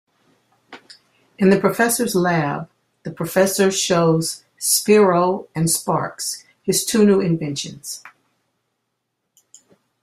In the Professor's lab, The Professor shows Spyro and Sparx his two new inventions.